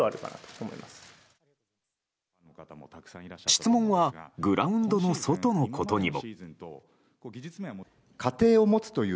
質問はグラウンドの外のことにも。